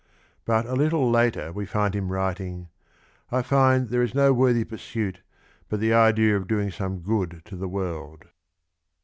^ But a little later we find him writing :" I find there is no worthy pursuit but the idea of doing some good to the world.